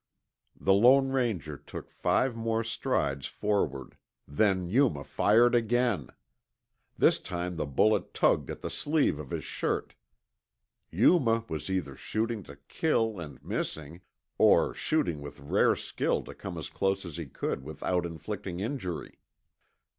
The Lone Ranger took five more strides forward; then Yuma fired again. This time the bullet tugged at the sleeve of his shirt. Yuma was either shooting to kill and missing, or shooting with rare skill to come as close as he could without inflicting injury.